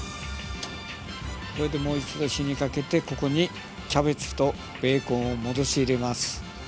これでもう一度火にかけてここにキャベツとベーコンを戻し入れます。